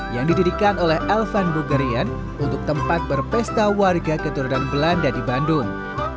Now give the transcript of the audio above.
yang didirikan oleh elvan bugerian untuk tempat berpesta warga keturunan belanda di bandung